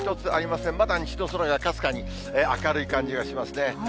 まだ西の空がかすかに明るい感じがしますね。